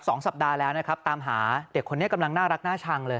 สองสัปดาห์แล้วนะครับตามหาเด็กคนนี้กำลังน่ารักน่าชังเลย